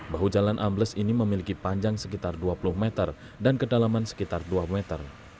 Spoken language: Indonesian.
bahu jalan ambles ini memiliki panjang sekitar dua puluh meter dan kedalaman sekitar dua meter